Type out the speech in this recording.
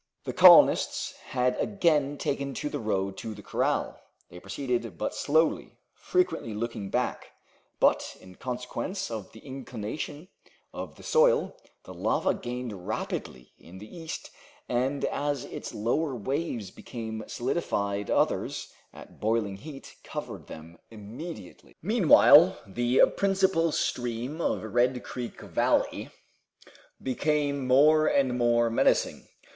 The colonists had again taken the road to the corral. They proceeded but slowly, frequently looking back; but, in consequence of the inclination of the soil, the lava gained rapidly in the east, and as its lower waves became solidified others, at boiling heat, covered them immediately. Meanwhile, the principal stream of Red Creek Valley became more and more menacing.